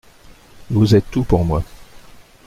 Vous êtes tout pour moi.